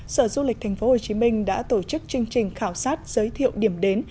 sở du lịch tp hcm đã tổ chức chương trình khảo sát giới thiệu điểm đến